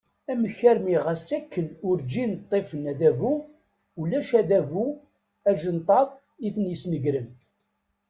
Amek armi ɣas akken urǧin ṭṭifen adabu, ulac adabu ajenṭaḍ i ten-yesnegren.